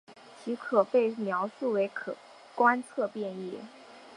其可被描述为可观测变异。